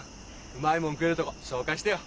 うまいもん食えるとこ紹介してよ。